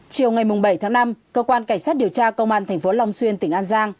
chiều ngày bảy tháng năm cơ quan cảnh sát điều tra công an thành phố long xuyên tỉnh an giang